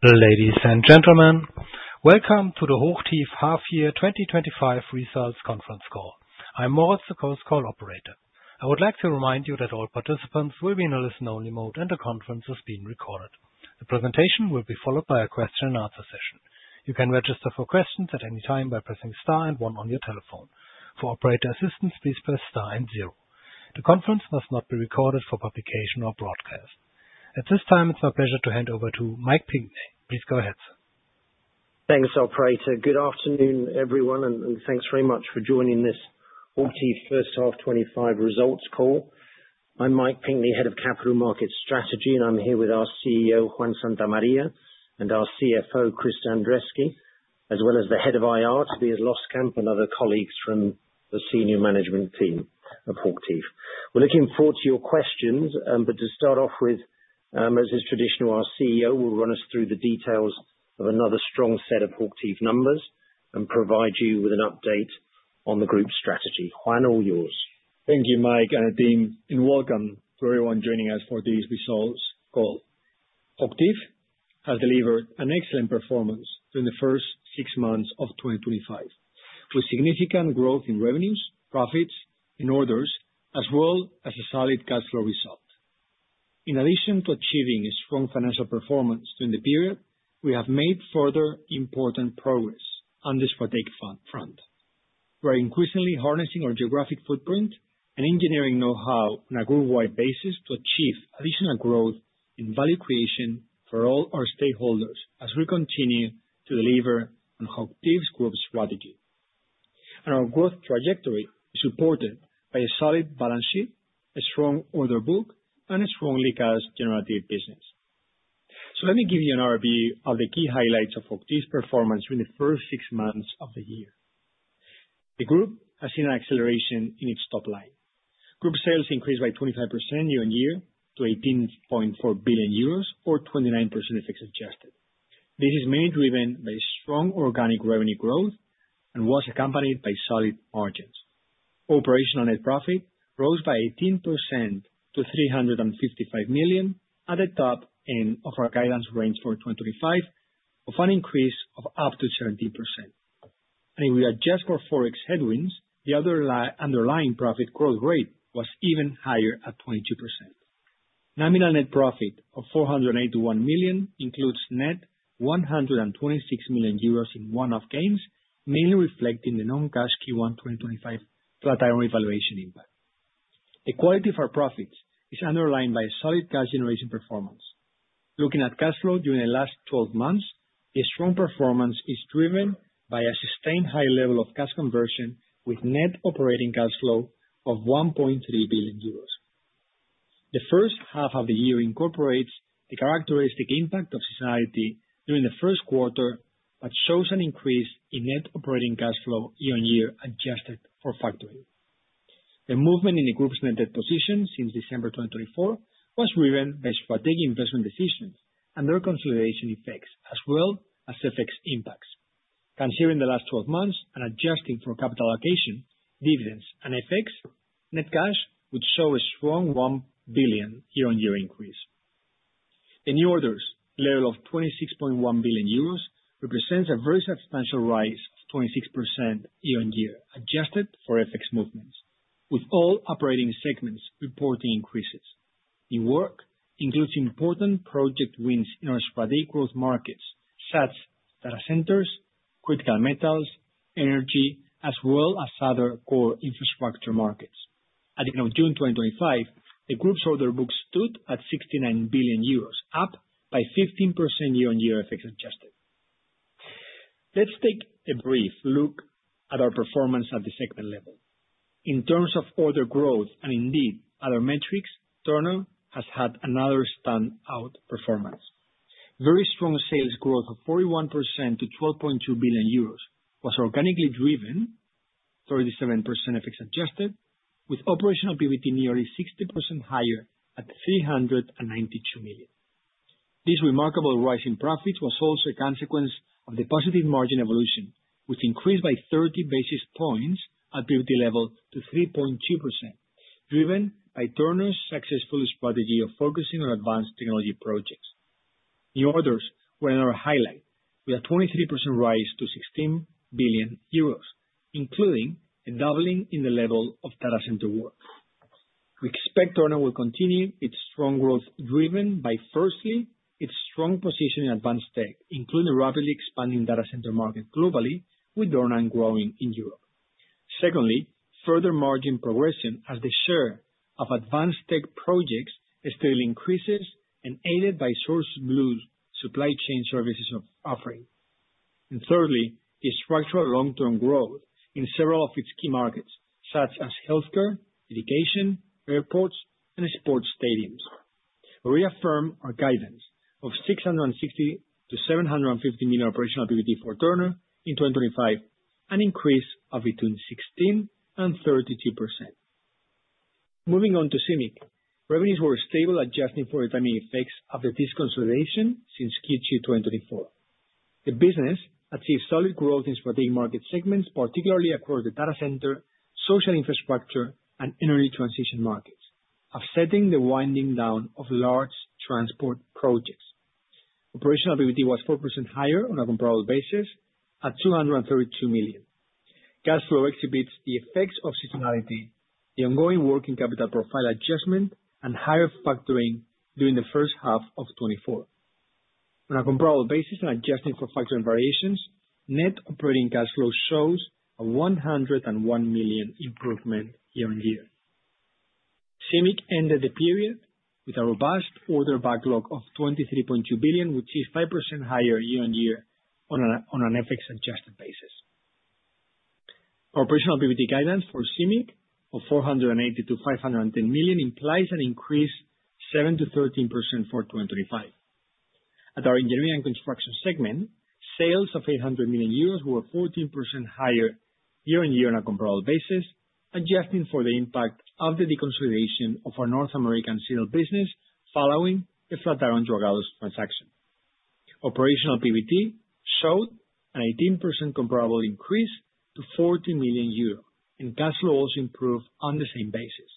Ladies and gentlemen, welcome to the HOCHTIEF 2025 results conference call. I'm Moritz, the call operator. I would like to remind you that all participants will be in a listen-only mode, and the conference is being recorded. The presentation will be followed by a question-and-answer session. You can register for questions at any time by pressing star and one on your telephone. For operator assistance, please press Star and zero. The conference must not be recorded for publication or broadcast. At this time, it's my pleasure to hand over to Mike Pinkney. Please go ahead, sir. Thanks, operator. Good afternoon, everyone, and thanks very much for joining this HOCHTIEF First Half 2025 results call. I'm Mike Pinkney, Head of Capital Market Strategy, and I'm here with our CEO, Juan Santamaría Cases, and our CFO, Chris Andreschi, as well as the Head of IR, Tobias Loskamp, and other colleagues from the senior management team of HOCHTIEF. We're looking forward to your questions, but to start off with. As is traditional, our CEO will run us through the details of another strong set of HOCHTIEF numbers and provide you with an update on the group's strategy. Juan, all yours. Thank you, Mike, and Dean, and welcome to everyone joining us for this results call. HOCHTIEF has delivered an excellent performance during the first six months of 2025, with significant growth in revenues, profits, and orders, as well as a solid cash flow result. In addition to achieving a strong financial performance during the period, we have made further important progress on this strategic front. We are increasingly harnessing our geographic footprint and engineering know-how on a group-wide basis to achieve additional growth and value creation for all our stakeholders as we continue to deliver on HOCHTIEF's growth strategy. Our growth trajectory is supported by a solid balance sheet, a strong order book, and a strongly cash-generative business. Let me give you an overview of the key highlights of HOCHTIEF's performance during the first six months of the year. The group has seen an acceleration in its top line. Group sales increased by 25% year-on-year to 18.4 billion euros, or 29% if exactly. This is mainly driven by strong organic revenue growth and was accompanied by solid margins. Operational net profit rose by 18% to 355 million at the top end of our guidance range for 2025, with an increase of up to 17%. If we adjust for forex headwinds, the underlying profit growth rate was even higher at 22%. Nominal net profit of 481 million includes net 126 million euros in one-off gains, mainly reflecting the non-cash Q1 2025 flat-iron revaluation impact. The quality of our profits is underlined by solid cash generation performance. Looking at cash flow during the last 12 months, the strong performance is driven by a sustained high level of cash conversion with net operating cash flow of 1.3 billion euros. The first half of the year incorporates the characteristic impact of society during the first quarter that shows an increase in net operating cash flow year-on-year adjusted for factoring. The movement in the group's net debt position since December 2024 was driven by strategic investment decisions and their consideration effects, as well as effects impacts. Considering the last 12 months and adjusting for capital allocation, dividends, and effects, net cash would show a strong 1 billion year-on-year increase. The new orders level of 26.1 billion euros represents a very substantial rise of 26% year-on-year adjusted for effects movements, with all operating segments reporting increases. The work includes important project wins in our strategic growth markets such as data centers, critical metals, energy, as well as other core infrastructure markets. At the end of June 2025, the group's order book stood at 69 billion euros, up by 15% year-on-year effects adjusted. Let's take a brief look at our performance at the segment level. In terms of order growth and indeed other metrics, Turner has had another standout performance. Very strong sales growth of 41% to 12.2 billion euros was organically driven. 37% effects adjusted, with operational PVT nearly 60% higher at 392 million. This remarkable rise in profits was also a consequence of the positive margin evolution, which increased by 30 basis points at PVT level to 3.2%, driven by Turner's successful strategy of focusing on advanced technology projects. New orders were another highlight, with a 23% rise to 16 billion euros, including a doubling in the level of data center work. We expect Turner will continue its strong growth driven by, firstly, its strong position in advanced tech, including rapidly expanding data center market globally with Dornan growing in Europe. Secondly, further margin progression as the share of advanced tech projects steadily increases and aided by SourceBlue's supply chain services offering. Thirdly, the structural long-term growth in several of its key markets such as healthcare, education, airports, and sports stadiums. We reaffirm our guidance of 660 million-750 million operational PVT for Turner in 2025, an increase of between 16% and 32%. Moving on to CIMIC, revenues were stable, adjusting for the timing effects of the fiscal consideration since Q2 2024. The business achieved solid growth in strategic market segments, particularly across the data center, social infrastructure, and energy transition markets, offsetting the winding down of large transport projects. Operational PVT was 4% higher on a comparable basis at 232 million. Cash flow exhibits the effects of seasonality, the ongoing working capital profile adjustment, and higher factoring during the first half of 2024. On a comparable basis and adjusting for factoring variations, net operating cash flow shows a 101 million improvement year-on-year. CIMIC ended the period with a robust order backlog of 23.2 billion, which is 5% higher year-on-year on an effects-adjusted basis. Operational PVT guidance for CIMIC of 480 million-510 million implies an increase of 7%-13% for 2025. At our engineering and construction segment, sales of 800 million euros were 14% higher year-on-year on a comparable basis, adjusting for the impact of the deconsolidation of our North American sealed business following a flat-iron drawdown transaction. Operational PVT showed an 18% comparable increase to 40 million euros, and cash flow also improved on the same basis.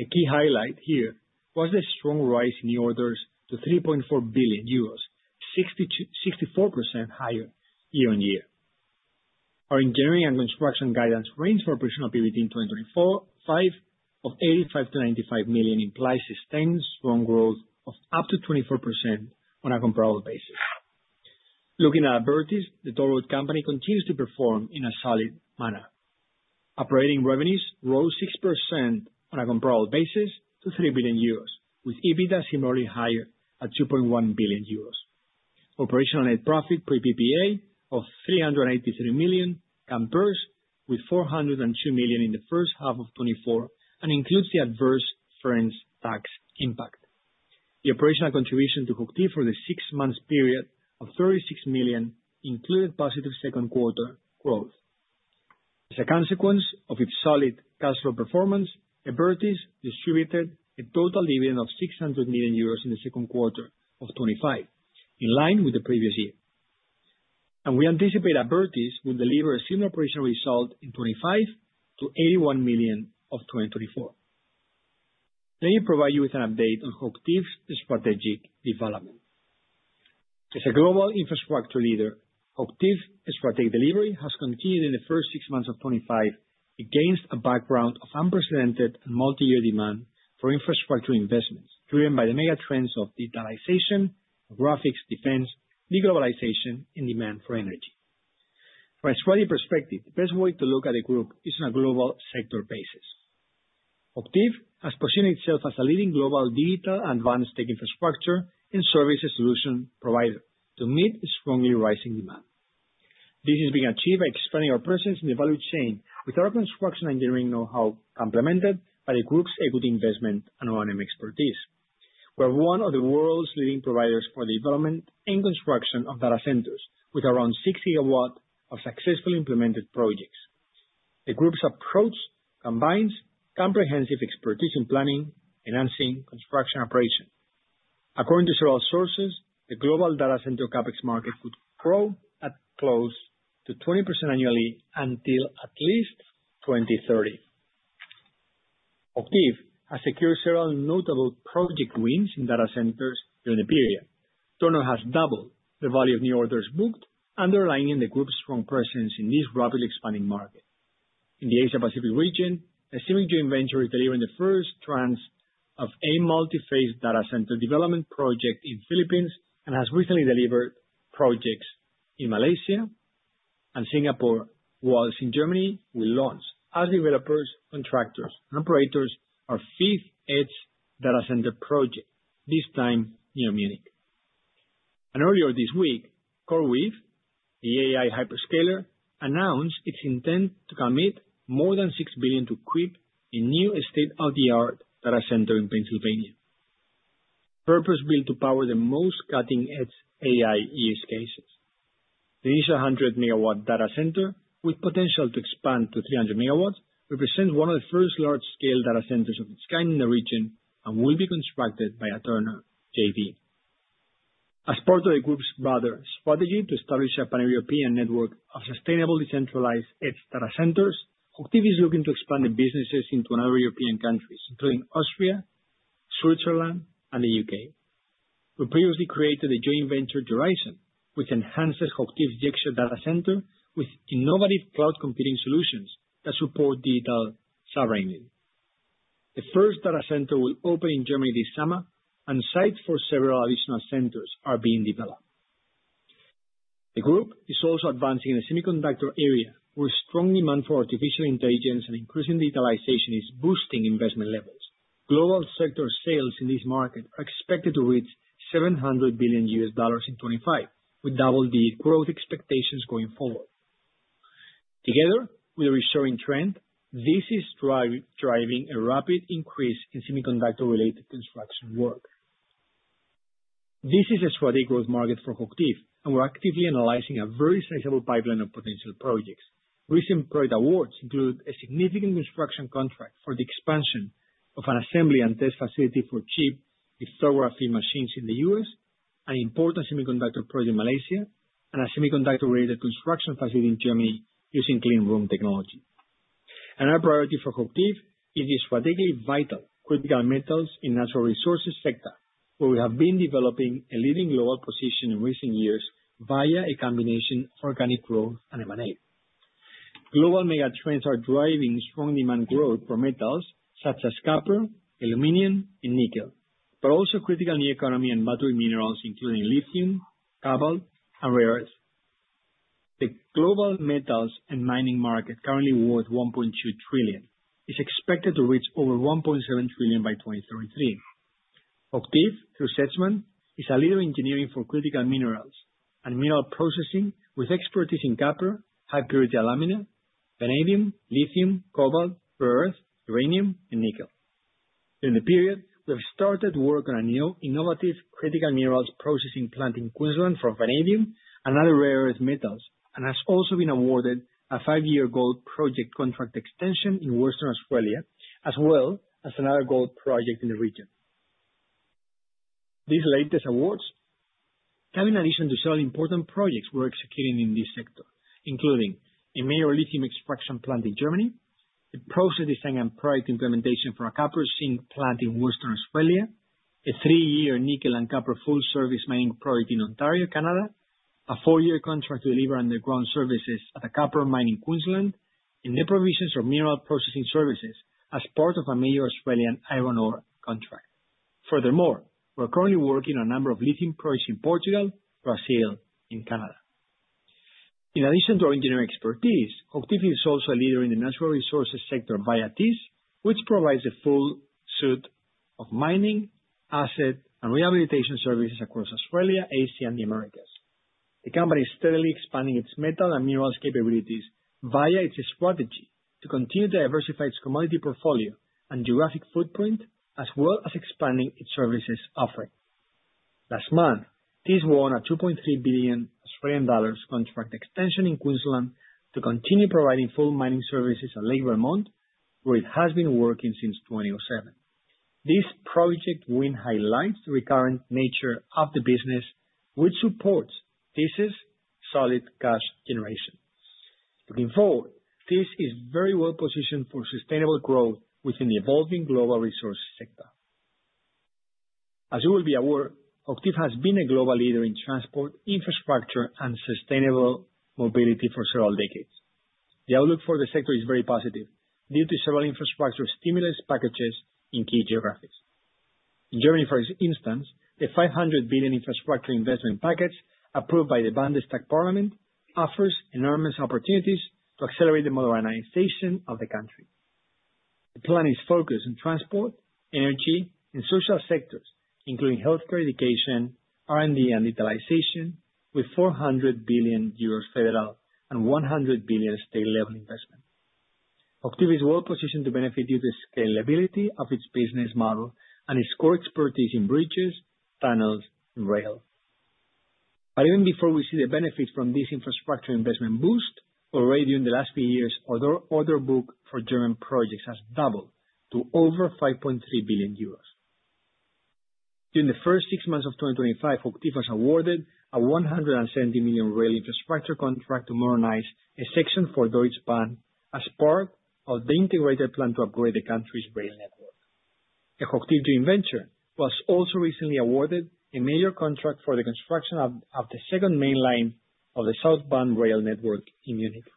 A key highlight here was the strong rise in new orders to 3.4 billion euros, 64% higher year-on-year. Our engineering and construction guidance range for operational PVT in 2025 of 85 million-95 million implies sustained strong growth of up to 24% on a comparable basis. Looking at Abertis, the toll road company continues to perform in a solid manner. Operating revenues rose 6% on a comparable basis to 3 billion euros, with EBITDA similarly higher at 2.1 billion euros. Operational net profit per EPPA of 383 million compares with 402 million in the first half of 2024 and includes the adverse France tax impact. The operational contribution to HOCHTIEF for the six-month period of 36 million included positive second-quarter growth. As a consequence of its solid cash flow performance, Abertis distributed a total dividend of 600 million euros in the second quarter of 2025, in line with the previous year. We anticipate Abertis will deliver a similar operational result in 2025 to 81 million of 2024. Let me provide you with an update on HOCHTIEF's strategic development. As a global infrastructure leader, HOCHTIEF's strategic delivery has continued in the first six months of 2025 against a background of unprecedented multi-year demand for infrastructure investments, driven by the mega trends of digitalization, graphics, defense, deglobalization, and demand for energy. From a strategic perspective, the best way to look at the group is on a global sector basis. HOCHTIEF has positioned itself as a leading global digital advanced tech infrastructure and services solution provider to meet a strongly rising demand. This is being achieved by expanding our presence in the value chain with our construction engineering know-how complemented by the group's equity investment and R&M expertise. We are one of the world's leading providers for the development and construction of data centers, with around 60 GW of successfully implemented projects. The group's approach combines comprehensive expertise in planning, financing, and construction operation. According to several sources, the global data center CapEx market could grow at close to 20% annually until at least 2030. HOCHTIEF has secured several notable project wins in data centers during the period. Turner has doubled the value of new orders booked, underlining the group's strong presence in this rapidly expanding market. In the Asia-Pacific region, the CIMIC joint venture is delivering the first tranche of a multi-phase data center development project in the Philippines and has recently delivered projects in Malaysia and Singapore, while in Germany, we launched as developers, contractors, and operators our fifth edge data center project, this time near Munich. Earlier this week, CoreWeave, the AI hyperscaler, announced its intent to commit more than 6 billion to equip a new state-of-the-art data center in Pennsylvania, purpose-built to power the most cutting-edge AI use cases. The initial 100 MW data center, with potential to expand to 300 MWs, represents one of the first large-scale data centers of its kind in the region and will be constructed by a Turner JV. As part of the group's broader strategy to establish a pan-European network of sustainable decentralized edge data centers, HOCHTIEF is looking to expand the businesses into other European countries, including Austria, Switzerland, and the U.K. We previously created a joint venture, Yorizon, which enhances HOCHTIEF's YEXIO data center with innovative cloud computing solutions that support digital sovereignty. The first data center will open in Germany this summer, and sites for several additional centers are being developed. The group is also advancing in the semiconductor area, where strong demand for artificial intelligence and increasing digitalization is boosting investment levels. Global sector sales in this market are expected to reach $700 billion in 2025, with double the growth expectations going forward. Together with the reshoring trend, this is driving a rapid increase in semiconductor-related construction work. This is a strategic growth market for HOCHTIEF, and we're actively analyzing a very sizable pipeline of potential projects. Recent project awards include a significant construction contract for the expansion of an assembly and test facility for chip lithography machines in the U.S., an important semiconductor project in Malaysia, and a semiconductor-related construction facility in Germany using clean room technology. Another priority for HOCHTIEF is its strategically vital critical metals in natural resources sector, where we have been developing a leading global position in recent years via a combination of organic growth and M&A. Global mega trends are driving strong demand growth for metals such as copper, aluminum, and nickel, but also critical new economy and battery minerals, including lithium, cobalt, and rare earths. The global metals and mining market, currently worth 1.2 trillion, is expected to reach over 1.7 trillion by 2033. HOCHTIEF, through Sedgman, is a leader in engineering for critical minerals and mineral processing with expertise in copper, high-purity aluminum, vanadium, lithium, cobalt, rare earth, uranium, and nickel. During the period, we have started work on a new innovative critical minerals processing plant in Queensland for vanadium and other rare earth metals, and has also been awarded a five-year gold project contract extension in Western Australia, as well as another gold project in the region. These latest awards come in addition to several important projects we're executing in this sector, including a major lithium extraction plant in Germany, the process design and product implementation for a copper sink plant in Western Australia, a three-year nickel and copper full-service mining project in Ontario, Canada, a four-year contract to deliver underground services at a copper mine in Queensland, and the provisions of mineral processing services as part of a major Australian iron ore contract. Furthermore, we're currently working on a number of lithium projects in Portugal, Brazil, and Canada. In addition to our engineering expertise, HOCHTIEF is also a leader in the natural resources sector via Thiess, which provides the full suite of mining, asset, and rehabilitation services across Australia, Asia, and the Americas. The company is steadily expanding its metal and minerals capabilities via its strategy to continue to diversify its commodity portfolio and geographic footprint, as well as expanding its services offering. Last month, Thiess won an 2.3 billion Australian dollars contract extension in Queensland to continue providing full mining services at Lake Vermont, where it has been working since 2007. This project win highlights the recurrent nature of the business, which supports Thiess's solid cash generation. Looking forward, Thiess is very well positioned for sustainable growth within the evolving global resource sector. As you will be aware, HOCHTIEF has been a global leader in transport, infrastructure, and sustainable mobility for several decades. The outlook for the sector is very positive due to several infrastructure stimulus packages in key geographies. In Germany, for instance, the 500 billion infrastructure investment package approved by the Bundestag Parliament offers enormous opportunities to accelerate the modernization of the country. The plan is focused on transport, energy, and social sectors, including healthcare, education, R&D, and digitalization, with 400 billion euros federal and 100 billion state-level investment. HOCHTIEF is well positioned to benefit due to the scalability of its business model and its core expertise in bridges, tunnels, and rail. Even before we see the benefits from this infrastructure investment boost, already during the last few years, order book for German projects has doubled to over 5.3 billion euros. During the first six months of 2025, HOCHTIEF was awarded a 170 million rail infrastructure contract to modernize a section for Deutsche Bahn as part of the integrated plan to upgrade the country's rail network. The HOCHTIEF joint venture was also recently awarded a major contract for the construction of the second main line of the S-Bahn rail network in Munich.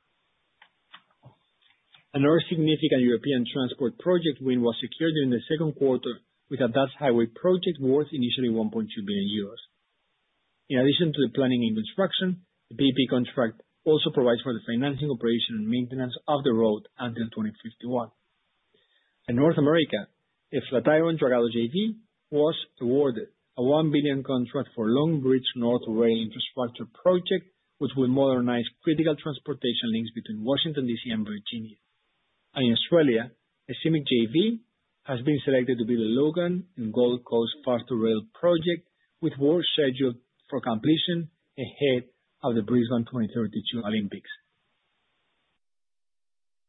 Another significant European transport project win was secured during the second quarter with a DACH highway project worth initially 1.2 billion euros. In addition to the planning and construction, the PPP contract also provides for the financing, operation, and maintenance of the road until 2051. In North America, a Flatiron drawdown JV was awarded a 1 billion contract for Long Bridge North rail infrastructure project, which will modernize critical transportation links between Washington, D.C., and Virginia. In Australia, a CIMIC JV has been selected to build a Logan and Gold Coast fast rail project, with work scheduled for completion ahead of the Brisbane 2032 Olympics.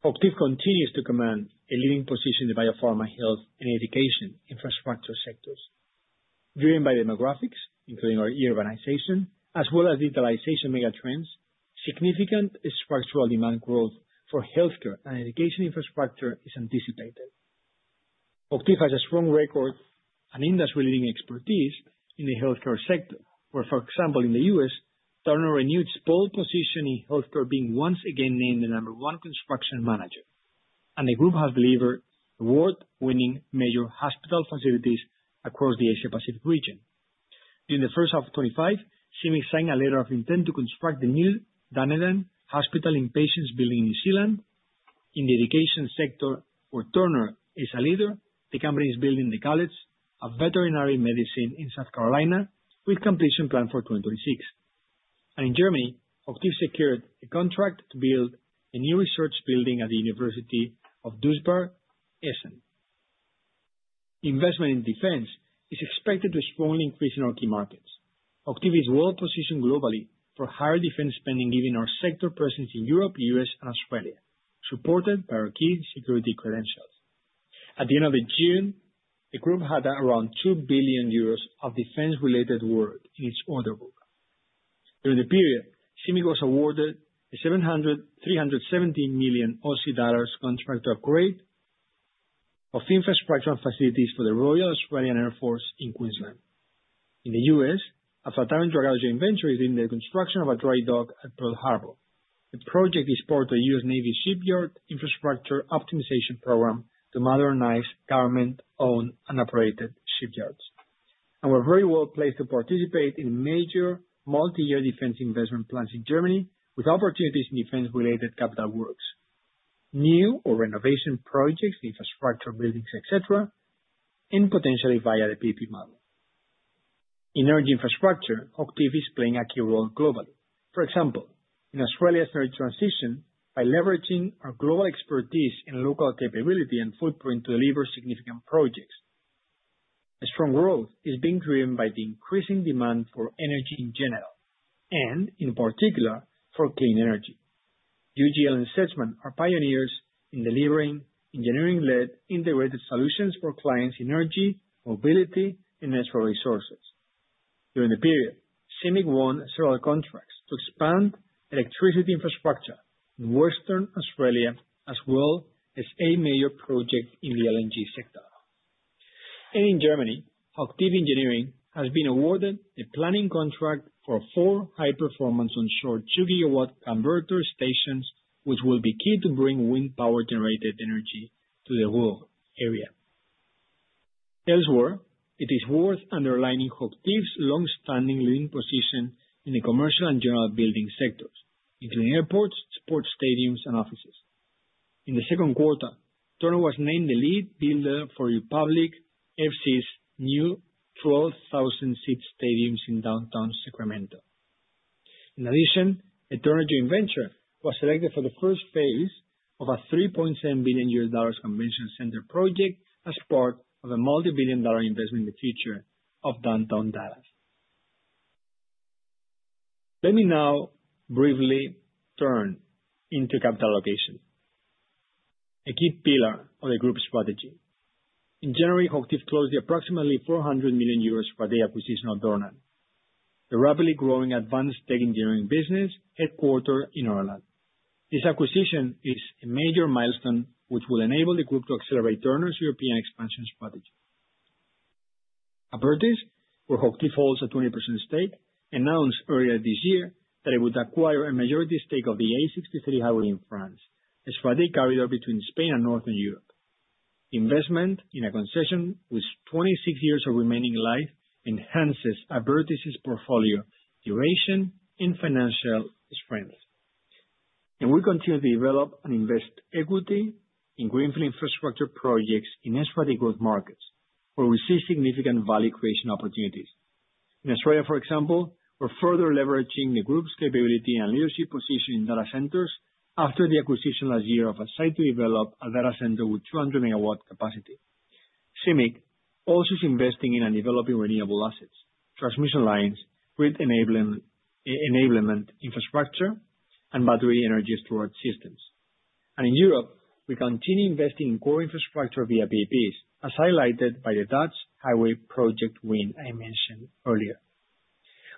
HOCHTIEF continues to command a leading position in the biopharma health and education infrastructure sectors. Driven by demographics, including our urbanization, as well as digitalization mega trends, significant structural demand growth for healthcare and education infrastructure is anticipated. HOCHTIEF has a strong record and industry-leading expertise in the healthcare sector, where, for example, in the U.S., Turner renewed its pole position in healthcare being once again named the number one construction manager. The group has delivered award-winning major hospital facilities across the Asia-Pacific region. During the first half of 2025, CIMIC signed a letter of intent to construct the new Dunedin Hospital in Patients Building in New Zealand. In the education sector, where Turner is a leader, the company is building the College of Veterinary Medicine in South Carolina, with completion planned for 2026. In Germany, HOCHTIEF secured a contract to build a new research building at the University of Duisburg-Essen. Investment in defense is expected to strongly increase in our key markets. HOCHTIEF is well positioned globally for higher defense spending, given our sector presence in Europe, the U.S., and Australia, supported by our key security credentials. At the end of June, the group had around 2 billion euros of defense-related work in its order book. During the period, CIMIC was awarded an 700.317 million Aussie dollars contract to upgrade infrastructure and facilities for the Royal Australian Air Force in Queensland. In the U.S., a Flatiron drawdown joint venture is in the construction of a dry dock at Pearl Harbor. The project is part of the US Navy Shipyard Infrastructure Optimization Program to modernize government-owned and operated shipyards. We are very well placed to participate in major multi-year defense investment plans in Germany, with opportunities in defense-related capital works. New or renovation projects, infrastructure buildings, etc., and potentially via the PPP model. In energy infrastructure, HOCHTIEF is playing a key role globally. For example, in Australia's energy transition, by leveraging our global expertise and local capability and footprint to deliver significant projects. Strong growth is being driven by the increasing demand for energy in general and, in particular, for clean energy. UGL and Sedgman are pioneers in delivering engineering-led integrated solutions for clients in energy, mobility, and natural resources. During the period, CIMIC won several contracts to expand electricity infrastructure in Western Australia, as well as eight major projects in the LNG sector. In Germany, HOCHTIEF Engineering has been awarded a planning contract for four high-performance onshore 2 GW converter stations, which will be key to bring wind power-generated energy to the world area. Elsewhere, it is worth underlining HOCHTIEF's long-standing leading position in the commercial and general building sectors, including airports, sports stadiums, and offices. In the second quarter, Turner was named the lead builder for Republic FC's new 12,000-seat stadium in downtown Sacramento. In addition, a Turner joint venture was selected for the first phase of a $3.7 billion convention center project as part of a multi-billion dollar investment in the future of downtown Dallas. Let me now briefly turn to capital allocation, a key pillar of the group's strategy. In January, HOCHTIEF closed the approximately 400 million euros for the acquisition of Dornan, the rapidly growing advanced tech engineering business headquartered in Ireland. This acquisition is a major milestone, which will enable the group to accelerate Turner's European expansion strategy. Abertis, where HOCHTIEF holds a 20% stake, announced earlier this year that it would acquire a majority stake of the A63 highway in France, a strategic corridor between Spain and Northern Europe. Investment in a concession with 26 years of remaining life enhances Abertis's portfolio duration and financial strength. We continue to develop and invest equity in greenfield infrastructure projects in strategic growth markets, where we see significant value creation opportunities. In Australia, for example, we are further leveraging the group's capability and leadership position in data centers after the acquisition last year of a site to develop a data center with 200 MW capacity. CIMIC also is investing in and developing renewable assets, transmission lines, grid enablement infrastructure, and battery energy storage systems. In Europe, we continue investing in core infrastructure via PPPs, as highlighted by the Dutch highway project win I mentioned earlier.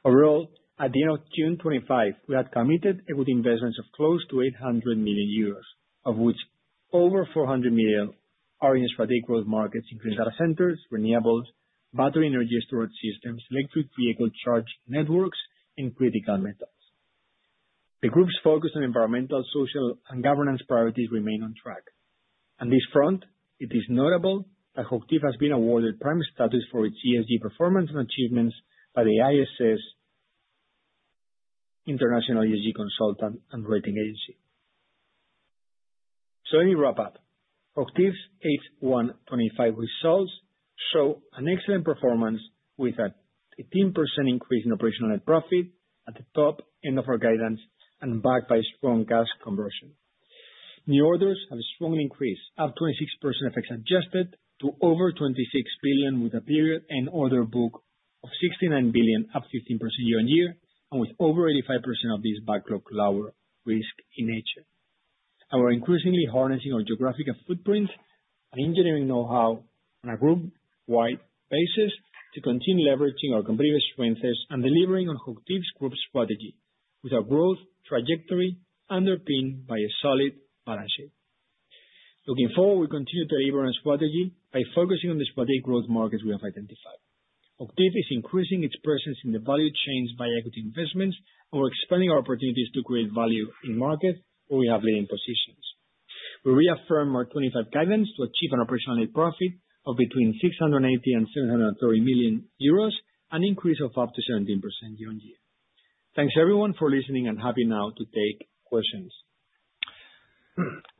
Overall, at the end of June 2025, we had committed equity investments of close to 800 million euros, of which over 400 million are in strategic growth markets including data centers, renewables, battery energy storage systems, electric vehicle charge networks, and critical metals. The group's focus on environmental, social, and governance priorities remains on track. On this front, it is notable that HOCHTIEF has been awarded prime status for its ESG performance and achievements by ISS, International ESG Consultant and Rating Agency. Let me wrap up. HOCHTIEF's H1/2025 results show an excellent performance with an 18% increase in operational net profit at the top end of our guidance and backed by strong cash conversion. New orders have strongly increased, up 26% ex-adjusted to over 26 billion, with a period-end order book of 69 billion, up 15% year-on-year, and with over 85% of this backlog lower risk in nature. We are increasingly harnessing our geographical footprint and engineering know-how on a group-wide basis to continue leveraging our competitive strengths and delivering on HOCHTIEF's group strategy with a growth trajectory underpinned by a solid balance sheet. Looking forward, we continue to deliver on our strategy by focusing on the strategic growth markets we have identified. HOCHTIEF is increasing its presence in the value chains via equity investments, and we are expanding our opportunities to create value in markets where we have leading positions. We reaffirm our 2025 guidance to achieve an operational net profit of between 680 million and 730 million euros, an increase of up to 17% year-on-year. Thanks to everyone for listening, and happy now to take questions.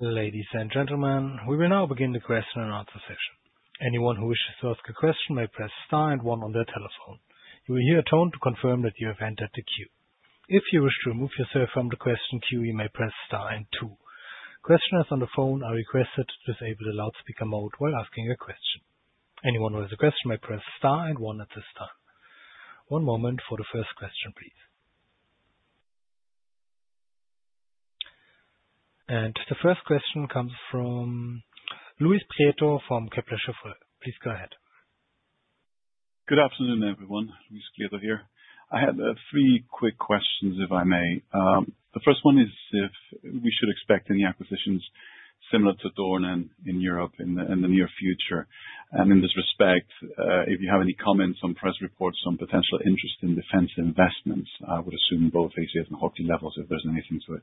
Ladies and gentlemen, we will now begin the question and answer session. Anyone who wishes to ask a question may press star and one on their telephone. You will hear a tone to confirm that you have entered the queue. If you wish to remove yourself from the question queue, you may press star and two. Questioners on the phone are requested to disable the loudspeaker mode while asking a question. Anyone who has a question may press star and one at this time. One moment for the first question, please. The first question comes from Louis Pieto from Kepler Cheuvreux. Please go ahead. Good afternoon, everyone. Louis Pieto here. I have three quick questions, if I may. The first one is if we should expect any acquisitions similar to Dornan in Europe in the near future.future. In this respect, if you have any comments on press reports on potential interest in defense investments, I would assume both HCS and HOCHTIEF levels if there is anything to it.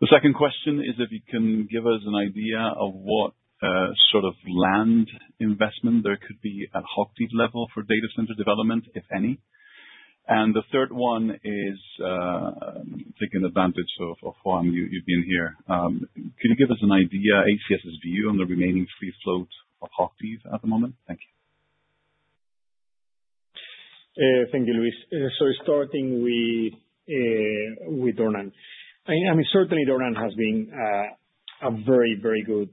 The second question is if you can give us an idea of what sort of land investment there could be at HOCHTIEF level for data center development, if any. The third one is, taking advantage of Juan, you have been here, could you give us an idea, HCS's view on the remaining fleet float of HOCHTIEF at the moment? Thank you. Thank you, Louis. Starting with Dornan. Certainly, Dornan has been a very, very good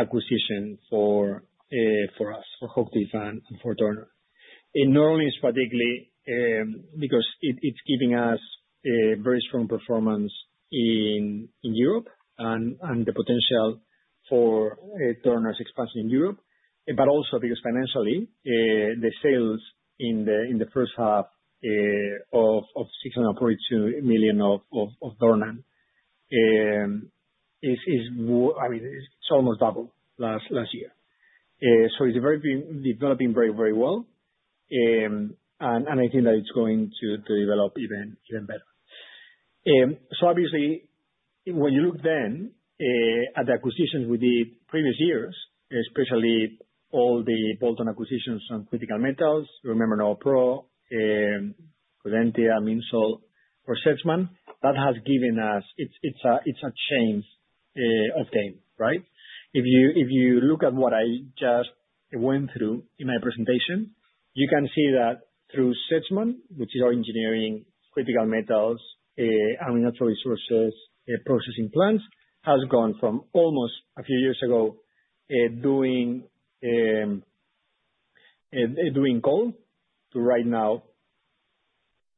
acquisition for us, for HOCHTIEF and for Dornan.Not only strategically because it's giving us a very strong performance in Europe and the potential for Dornan's expansion in Europe, but also because financially the sales in the first half of 642 million of Dornan is, I mean, it's almost doubled last year. It's developing very, very well. I think that it's going to develop even better. Obviously, when you look then at the acquisitions we did previous years, especially all the bolt-on acquisitions on critical metals, you remember Noel Pro, Crescentia, Minsold, or Sedgman, that has given us, it's a change of game, right? If you look at what I just went through in my presentation, you can see that through Sedgman, which is our engineering, critical metals, and natural resources processing plants, has gone from almost a few years ago doing coal to right now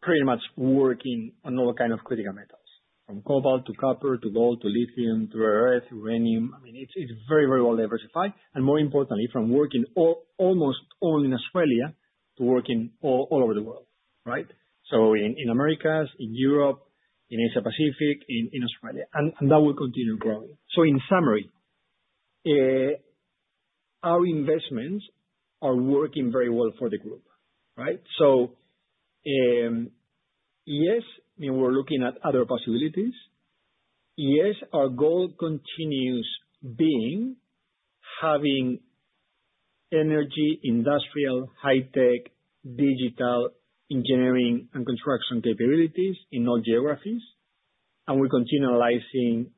pretty much working on all kinds of critical metals, from cobalt to copper to gold to lithium to rare earth, uranium. I mean, it's very, very well diversified. More importantly, from working almost only in Australia to working all over the world, right? In Americas, in Europe, in Asia-Pacific, in Australia. That will continue growing. In summary, our investments are working very well for the group, right? Yes, we're looking at other possibilities. Yes, our goal continues being having energy, industrial, high-tech, digital, engineering, and construction capabilities in all geographies. We're continualizing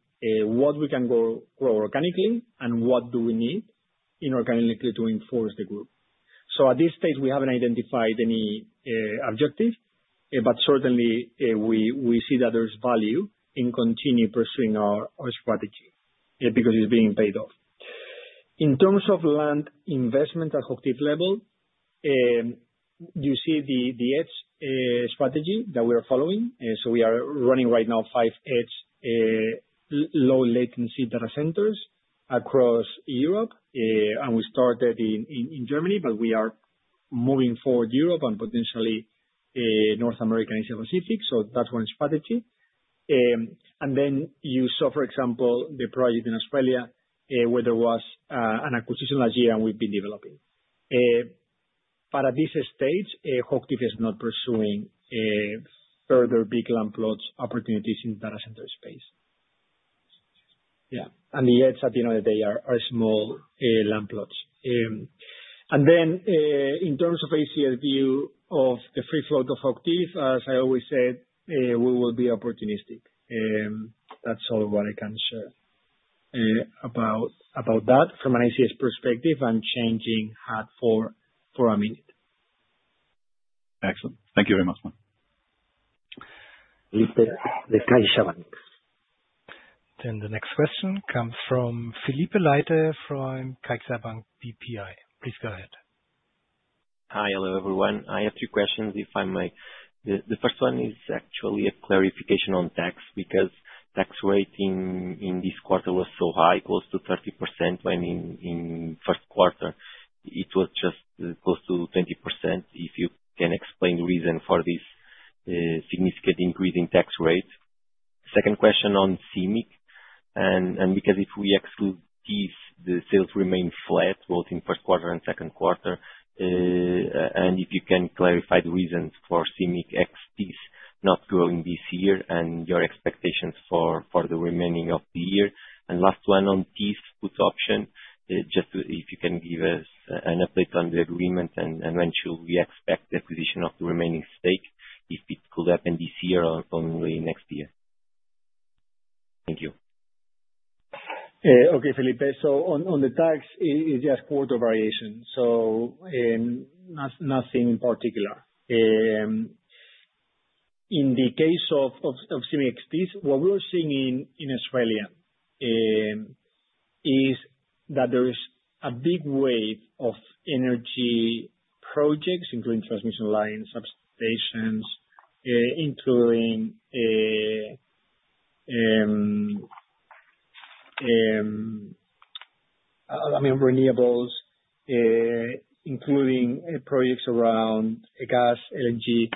what we can grow organically and what do we need inorganically to enforce the group. At this stage, we haven't identified any objective, but certainly we see that there's value in continuing pursuing our strategy because it's being paid off. In terms of land investment at HOCHTIEF level, you see the edge strategy that we are following. We are running right now five edge low-latency data centers across Europe. We started in Germany, but we are moving forward Europe and potentially North America and Asia-Pacific. That's one strategy. Then you saw, for example, the project in Australia where there was an acquisition last year and we've been developing. At this stage, HOCHTIEF is not pursuing further big land plots opportunities in the data center space. The edge at the end of the day are small land plots. In terms of HCS view of the free float of HOCHTIEF, as I always said, we will be opportunistic. That's all what I can share about that. From an HCS perspective, I'm changing hat for a minute. Excellent. Thank you very much, Juan. The next question comes from Philippe Leiter from Kaiserbank PPI. Please go ahead. Hi, hello everyone. I have two questions, if I may. The first one is actually a clarification on tax because tax rate in this quarter was so high, close to 30% when in first quarter it was just close to 20%. If you can explain the reason for this significant increase in tax rate. Second question on CIMIC. If we exclude Thiess, the sales remain flat both in first quarter and second quarter. If you can clarify the reasons for CIMIC ex-Thiess not growing this year and your expectations for the remaining of the year.year. Last one on Thiess put option, just if you can give us an update on the agreement and when should we expect the acquisition of the remaining stake, if it could happen this year or only next year. Thank you. Okay, Philippe. On the tax, it's just quarter variation. Nothing in particular. In the case of CIMIC ex-Thiess, what we're seeing in Australia is that there is a big wave of energy projects, including transmission lines, substations, renewables, projects around gas, LNG.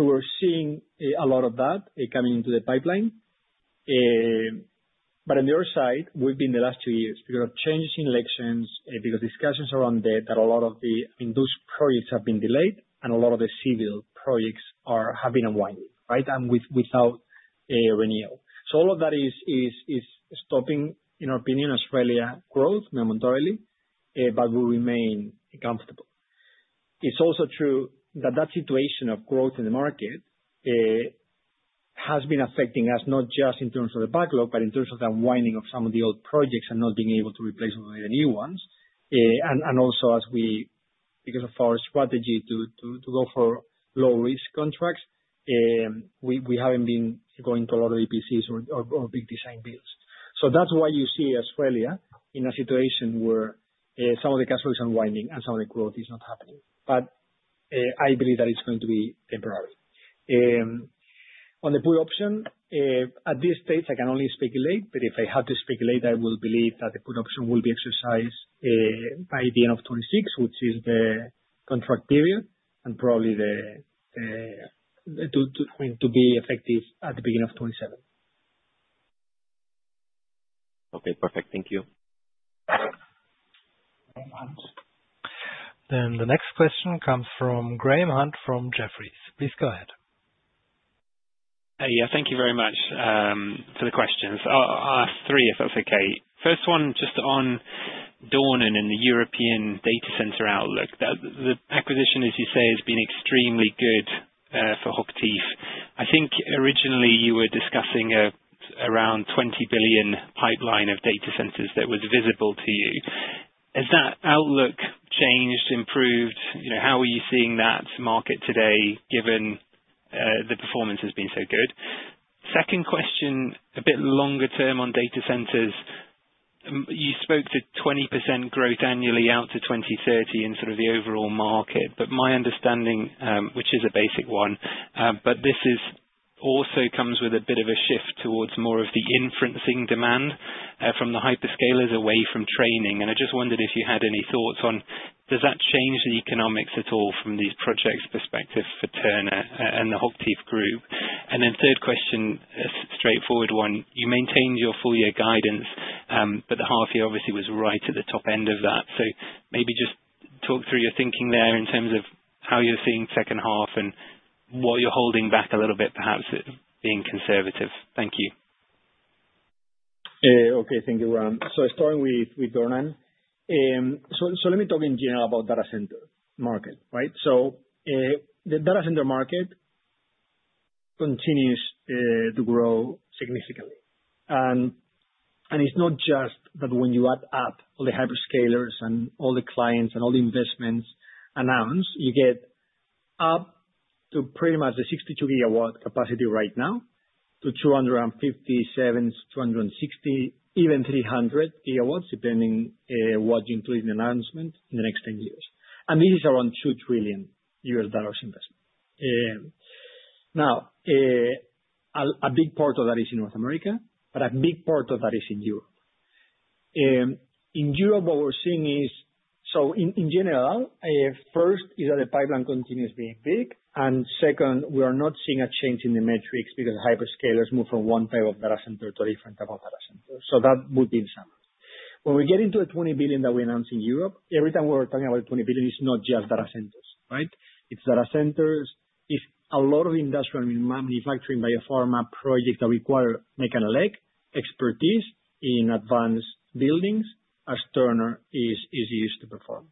We're seeing a lot of that coming into the pipeline. On the other side, the last two years because of changes in elections, because discussions around debt, a lot of those projects have been delayed and a lot of the civil projects have been unwound, right? Without renewal. All of that is stopping, in our opinion, Australia growth momentarily, but we remain comfortable. It's also true that that situation of growth in the market has been affecting us not just in terms of the backlog, but in terms of the unwinding of some of the old projects and not being able to replace them with the new ones. Also, because of our strategy to go for low-risk contracts, we haven't been going to a lot of EPCs or big design builds. That's why you see Australia in a situation where some of the cash flows are unwinding and some of the growth is not happening. I believe that it's going to be temporary. On the put option, at this stage, I can only speculate, but if I had to speculate, I would believe that the put option will be exercised by the end of 2026, which is the contract period, and probably to be effective at the beginning of 2027. Okay, perfect. Thank you. The next question comes from Graham Hunt from Jefferies. Please go ahead. Yeah, thank you very much for the questions. I'll ask three if that's okay. First one, just on Dornan and the European data center outlook. The acquisition, as you say, has been extremely good for HOCHTIEF. I think originally you were discussing around $20 billion pipeline of data centers that was visible to you. Has that outlook changed, improved? You know, how are you seeing that market today given the performance has been so good? Second question, a bit longer term on data centers. You spoke to 20% growth annually out to 2030 in sort of the overall market, but my understanding, which is a basic one, but this also comes with a bit of a shift towards more of the inferencing demand from the hyperscalers away from training. I just wondered if you had any thoughts on, does that change the economics at all from these projects' perspective for Turner and the HOCHTIEF group? Third question, a straightforward one. You maintained your full year guidance, but the half year obviously was right at the top end of that. Maybe just talk through your thinking there in terms of how you're seeing second half and what you're holding back a little bit, perhaps being conservative. Thank you. Okay, thank you, Juan. Starting with Dornan. Let me talk in general about data center market, right? The data center market continues to grow significantly. It's not just that when you add up all the hyperscalers and all the clients and all the investments announced, you get up to pretty much the 62 GW capacity right now to 257-260, even 300 GWs, depending what you include in the announcement in the next 10 years. This is around $2 trillion US dollars investment. Now, a big part of that is in North America, but a big part of that is in Europe. In Europe, what we're seeing is, in general, first is that the pipeline continues being big, and second, we are not seeing a change in the metrics because hyperscalers move from one type of data center to a different type of data center. That would be in summary. When we get into the $20 billion that we announced in Europe, every time we're talking about $20 billion, it's not just data centers, right? It's data centers, it's a lot of industrial manufacturing, biopharma projects that require mechanical leg expertise in advanced buildings as Turner is used to perform.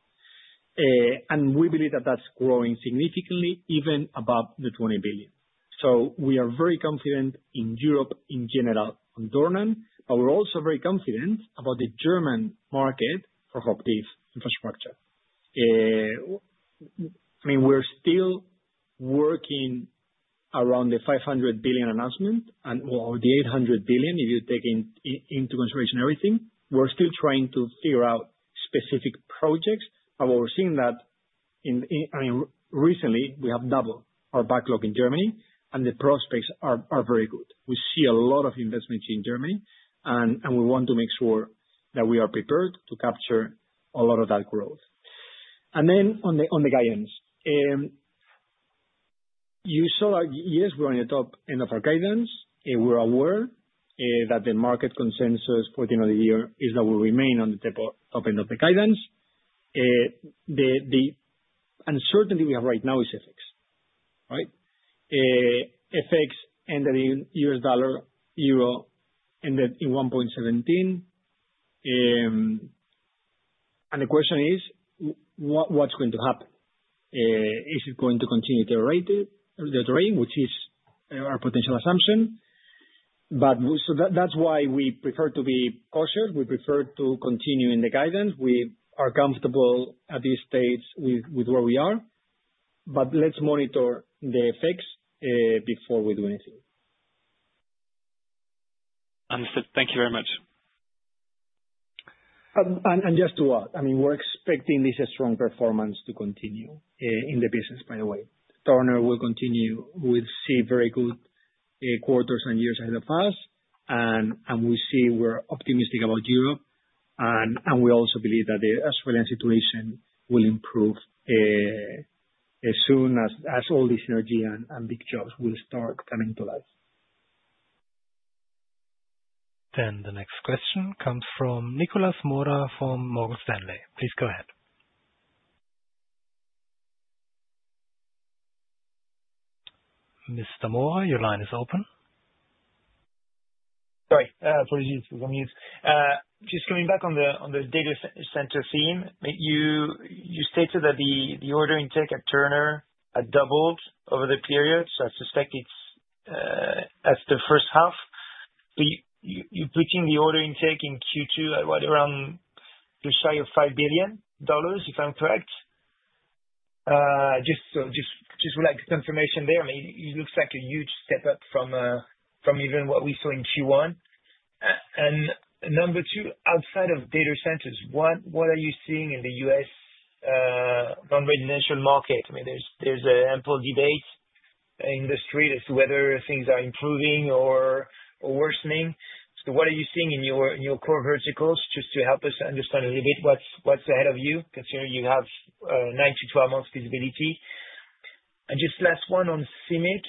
We believe that that's growing significantly even above the $20 billion. We are very confident in Europe in general on Dornan, but we're also very confident about the German market for HOCHTIEF infrastructure. I mean, we're still working around the $500 billion announcement and or the $800 billion, if you take into consideration everything, we're still trying to figure out specific projects, but we're seeing that in, I mean, recently we have doubled our backlog in Germany and the prospects are very good. We see a lot of investments in Germany and we want to make sure that we are prepared to capture a lot of that growth. Then on the guidance. You saw that yes, we're on the top end of our guidance and we're aware that the market consensus for the end of the year is that we remain on the top end of the guidance. The uncertainty we have right now is FX, right? FX ended in US dollar, euro ended in 1.17. And the question is, what's going to happen? Is it going to continue to the trade rate, which is our potential assumption? That's why we prefer to be cautious. We prefer to continue in the guidance. We are comfortable at this stage with where we are, but let's monitor the FX before we do anything. Understood. Thank you very much. And just to add, I mean, we're expecting this strong performance to continue in the business, by the way. Turner will continue. We'll see very good quarters and years ahead of us. We see we're optimistic about Europe. We also believe that the Australian situation will improve as soon as all this energy and big jobs will start coming to life. Then the next question comes from Nicolas Mora from Morgan Stanley. Please go ahead.ahead. Mr. Mora, your line is open. Sorry, for the use of mute. Just coming back on the data center scene, you stated that the order intake at Turner had doubled over the period, so I suspect it's at the first half. But you put in the order intake in Q2 at what, around the shy of $5 billion, if I'm correct. Just would like the confirmation there. I mean, it looks like a huge step up from even what we saw in Q1. And number two, outside of data centers, what are you seeing in the U.S. non-residential market? I mean, there's an ample debate in the street as to whether things are improving or worsening. What are you seeing in your core verticals just to help us understand a little bit what's ahead of you? Considering you have 9-12 months visibility. And just last one on CIMIC.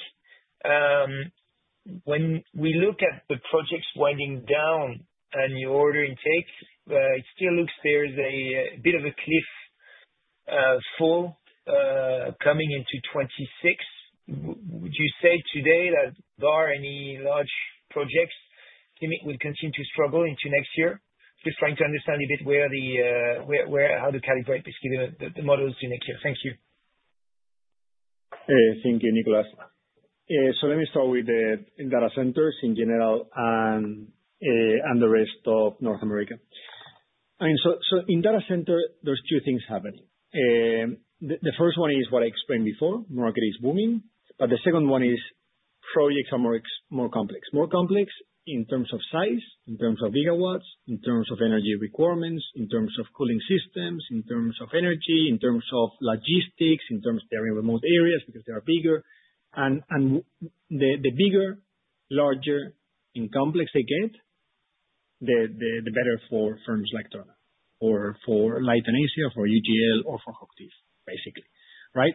When we look at the projects winding down and your order intakes, it still looks there is a bit of a cliff fall coming into 2026. Would you say today that there are any large projects that will continue to struggle into next year? Just trying to understand a bit where, how to calibrate the models in the next year. Thank you. Thank you, Nicolas. Let me start with the data centers in general and the rest of North America. I mean, in data center, there's two things happening. The first one is what I explained before, market is booming, but the second one is projects are more complex, more complex in terms of size, in terms of gigawatts, in terms of energy requirements, in terms of cooling systems, in terms of energy, in terms of logistics, in terms of they're in remote areas because they are bigger. The bigger, larger, and complex they get, the better for firms like Turner or for Light & ACEA or for UGL or for HOCHTIEF, basically, right?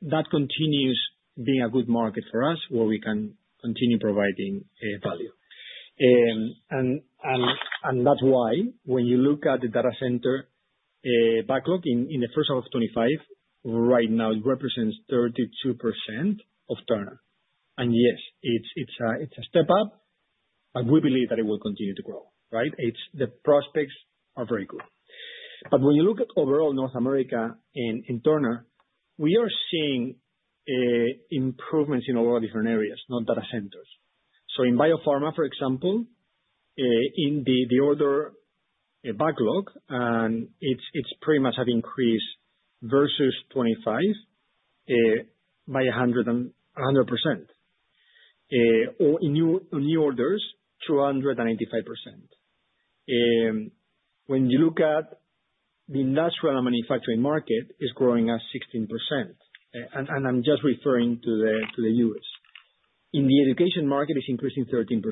That continues being a good market for us where we can continue providing value. That is why when you look at the data center backlog in the first half of 2025, right now it represents 32% of Turner. Yes, it is a step up, but we believe that it will continue to grow, right? The prospects are very good. When you look at overall North America and Turner, we are seeing improvements in a lot of different areas, not data centers. In biopharma, for example, in the order backlog, it has pretty much increased versus 2025 by 100%. Or in new orders, 295%. When you look at the industrial and manufacturing market, it is growing at 16%. I am just referring to the U.S.. In the education market, it is increasing 13%.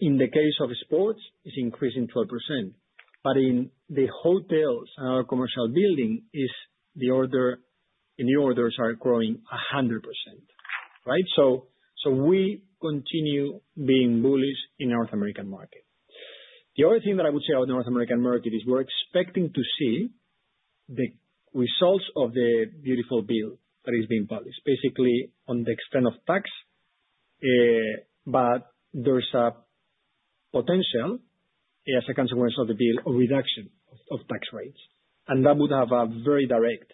In the case of sports, it is increasing 12%. In hotels and our commercial building, the new orders are growing 100%, right? We continue being bullish in the North American market. The other thing that I would say about the North American market is we are expecting to see the results of the beautiful bill that is being published, basically on the extent of tax. There is a potential, as a consequence of the bill, a reduction of tax rates. That would have a very direct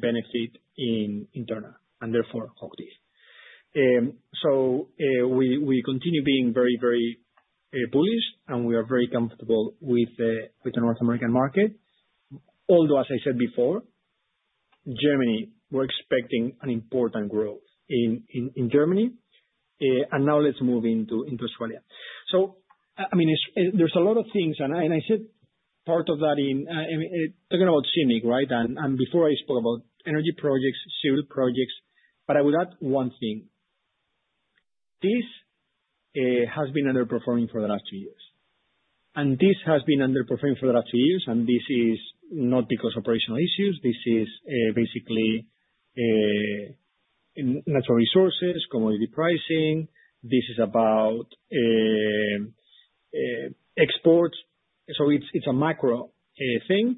benefit in Turner and therefore HOCHTIEF. We continue being very, very bullish and we are very comfortable with the North American market. Although, as I said before, Germany, we are expecting an important growth in Germany. Now let's move into Australia. I mean, there are a lot of things, and I said part of that in, I mean, talking about CIMIC, right? Before I spoke about energy projects, civil projects, but I would add one thing. Thiess has been underperforming for the last two years. Thiess has been underperforming for the last two years, and this is not because of operational issues. This is basically natural resources, commodity pricing. This is about exports. It is a macro thing.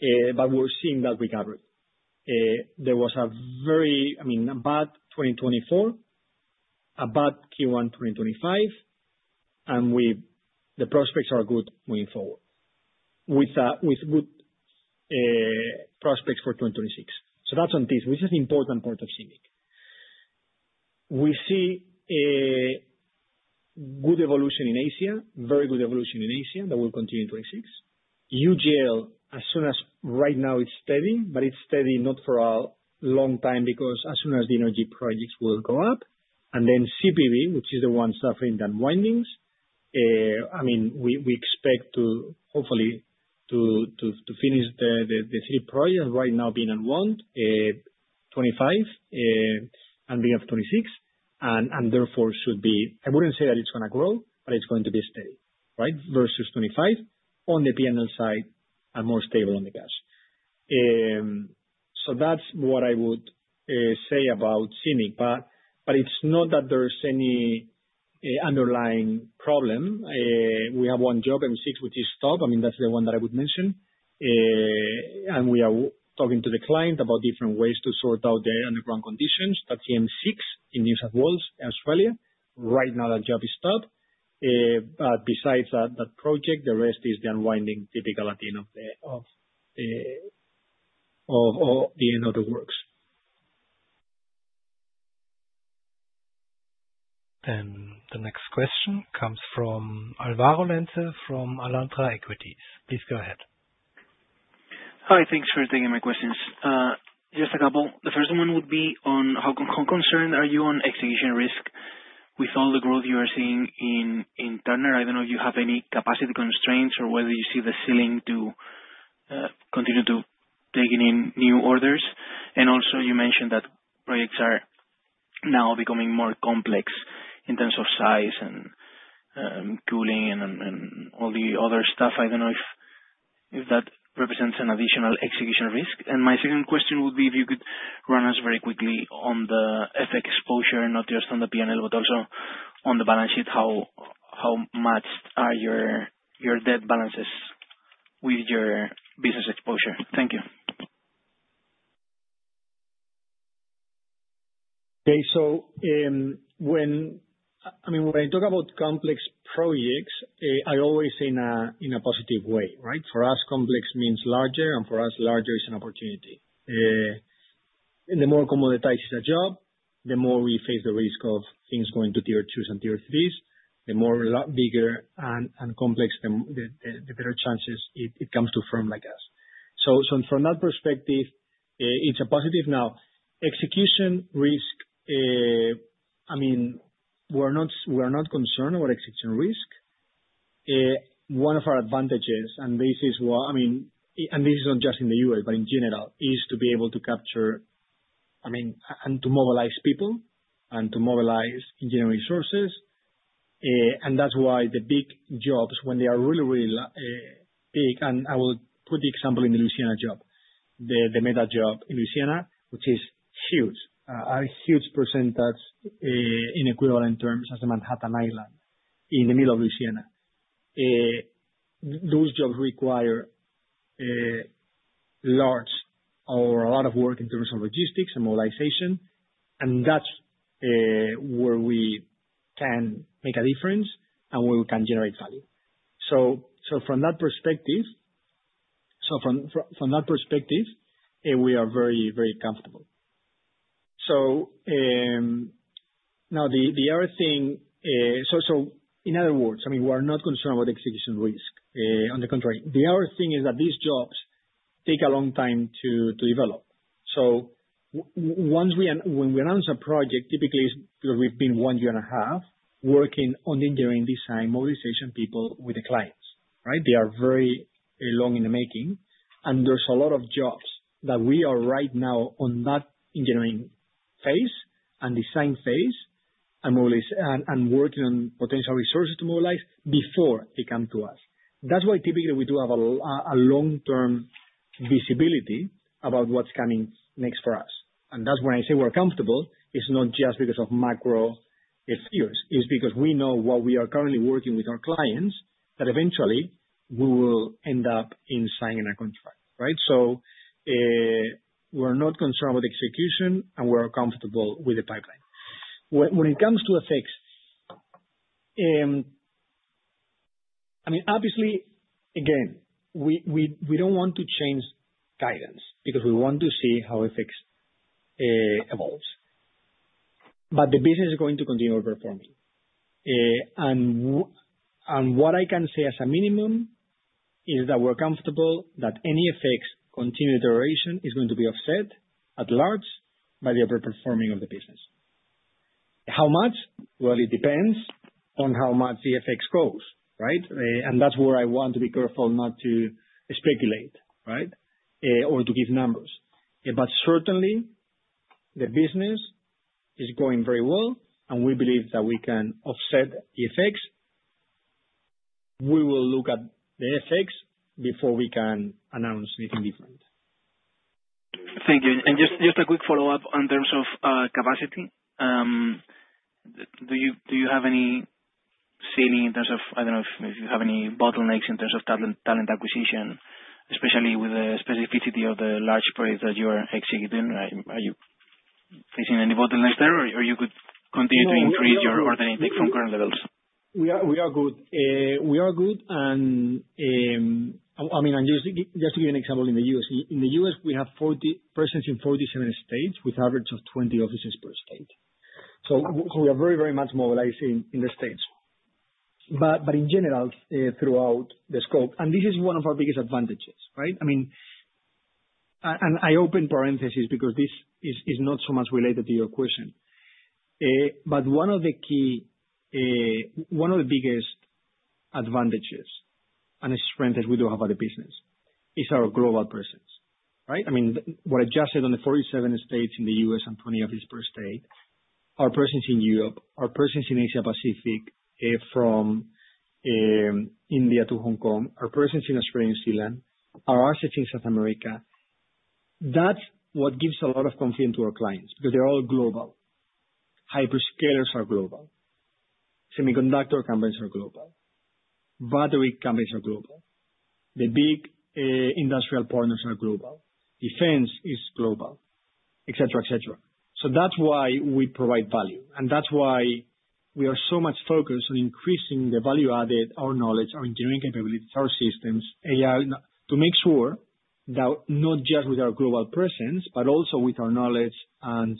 We are seeing that recovery. There was a very, I mean, a bad 2024. A bad Q1 2025. The prospects are good moving forward, with good prospects for 2026. That's on this, which is an important part of CIMIC. We see good evolution in Asia, very good evolution in Asia that will continue in 2026. UGL, as soon as right now it's steady, but it's steady not for a long time because as soon as the energy projects will go up. And then CPV, which is the one suffering the unwindings. I mean, we expect to hopefully finish the three projects right now being unwound in 2025. And we have 2026, and therefore should be, I wouldn't say that it's going to grow, but it's going to be steady, right? Versus 2025 on the P&L side and more stable on the gas. That's what I would say about CIMIC, but it's not that there's any underlying problem. We have one job in 2026, which is stopped. I mean, that's the one that I would mention. We are talking to the client about different ways to sort out the underground conditions. That's the M6 in New South Wales, Australia. Right now that job is stopped. Besides that project, the rest is the unwinding typical at the end of the works. The next question comes from Alvaro Lente from Alantra Equities. Please go ahead. Hi, thanks for taking my questions. Just a couple. The first one would be on how concerned are you on execution risk with all the growth you are seeing in Turner? I don't know if you have any capacity constraints or whether you see the ceiling to continue to take in new orders. Also, you mentioned that projects are now becoming more complex in terms of size and cooling and all the other stuff. I don't know if that represents an additional execution risk. My second question would be if you could run us very quickly on the FX exposure and not just on the P&L, but also on the balance sheet, how much are your debt balances with your business exposure? Thank you. Okay, when I talk about complex projects, I always say in a positive way, right? For us, complex means larger, and for us, larger is an opportunity. The more commoditized the job, the more we face the risk of things going to tier twos and tier threes. The bigger and more complex, the better chances it comes to a firm like us. From that perspective, it's a positive. Now, execution risk. We're not concerned about execution risk. One of our advantages, and this is what I mean, and this is not just in the U.S., but in general, is to be able to capture, I mean, and to mobilize people and to mobilize engineering resources. That is why the big jobs, when they are really, really big, and I will put the example in the Louisiana job, the mega job in Louisiana, which is huge, a huge percentage in equivalent terms as the Manhattan Island in the middle of Louisiana. Those jobs require large or a lot of work in terms of logistics and mobilization. That is where we can make a difference and where we can generate value. From that perspective, we are very, very comfortable. In other words, we are not concerned about execution risk. On the contrary, the other thing is that these jobs take a long time to develop. Once we announce a project, typically it is because we have been one year and a half working on the engineering design, mobilization, people with the clients, right? They are very long in the making. There are a lot of jobs that we are right now on that engineering phase and design phase and mobilize and working on potential resources to mobilize before they come to us. That is why typically we do have a long-term visibility about what is coming next for us. When I say we are comfortable, it is not just because of macro issues. It is because we know what we are currently working with our clients that eventually we will end up in signing a contract, right? We are not concerned about the execution and we are comfortable with the pipeline. When it comes to FX, obviously, again, we do not want to change guidance because we want to see how FX evolves. The business is going to continue overperforming. What I can say as a minimum is that we are comfortable that any FX continued iteration is going to be offset at large by the overperforming of the business. How much? It depends on how much the FX goes, right? That is where I want to be careful not to speculate or to give numbers. Certainly, the business is going very well and we believe that we can offset the FX. We will look at the FX before we can announce anything different. Thank you. Just a quick follow-up in terms of capacity. Do you have any, see any, in terms of, I do not know if you have any bottlenecks in terms of talent acquisition, especially with the specificity of the large projects that you are executing? Are you facing any bottlenecks there or could you continue to increase your order intake from current levels? We are good. I mean, just to give you an example, in the US, we have 40 persons in 47 states with an average of 20 offices per state. We are very, very much mobilizing in the states. But in general, throughout the scope, and this is one of our biggest advantages, right? I mean. I open parentheses because this is not so much related to your question. One of the key, one of the biggest advantages and strengths we do have at the business is our global presence, right? I mean, what I just said on the 47 states in the U.S. and 20 offices per state, our presence in Europe, our presence in Asia-Pacific. From India to Hong Kong, our presence in Australia and New Zealand, our assets in South America. That is what gives a lot of confidence to our clients because they are all global. Hyperscalers are global. Semiconductor companies are global. Battery companies are global. The big industrial partners are global. Defense is global, et cetera, et cetera. That is why we provide value. That is why we are so much focused on increasing the value added, our knowledge, our engineering capabilities, our systems, AI, to make sure that not just with our global presence, but also with our knowledge and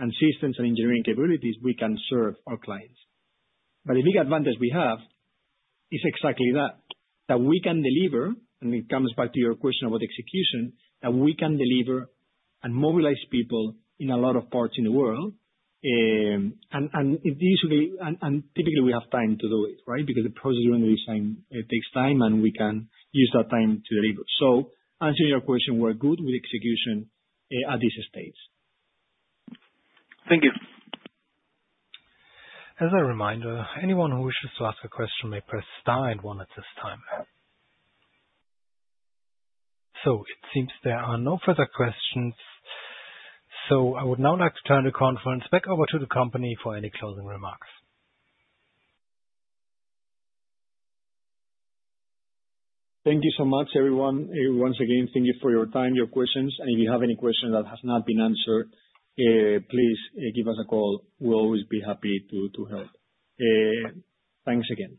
systems and engineering capabilities, we can serve our clients. The big advantage we have is exactly that, that we can deliver, and it comes back to your question about execution, that we can deliver and mobilize people in a lot of parts in the world. It is usually, and typically we have time to do it, right? Because the process during the design takes time and we can use that time to deliver. Answering your question, we are good with execution at these states. Thank you. As a reminder, anyone who wishes to ask a question may press star and one at this time. It seems there are no further questions. I would now like to turn the conference back over to the company for any closing remarks. Thank you so much, everyone. Once again, thank you for your time, your questions. If you have any questions that have not been answered, please give us a call.call. We will always be happy to help. Thanks again.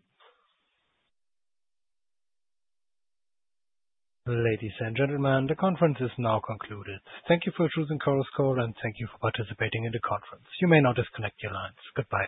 Ladies and gentlemen, the conference is now concluded. Thank you for choosing Coros Code and thank you for participating in the conference. You may now disconnect your lines. Goodbye.